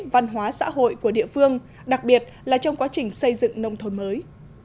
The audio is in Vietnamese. văn hóa xã hội của địa phương đặc biệt là trong quá trình xây dựng nông thôn mới